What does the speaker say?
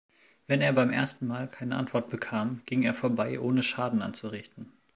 Wenn er beim ersten Mal keine Antwort bekam, ging er vorbei, ohne Schaden anzurichten.